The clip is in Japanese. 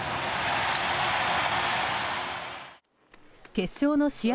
決勝の試合